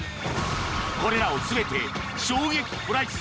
これらを全てえっ！